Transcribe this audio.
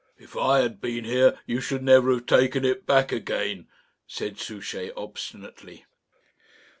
"If I had been here you should never have taken it back again," said Souchey, obstinately.